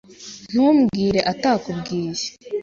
Ntumbwire atakubwiye.